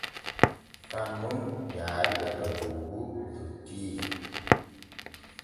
Kan nun yaariɓe to Buubu dottiijo.